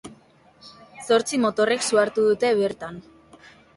Zortzi motorrek su hartu dute bertan.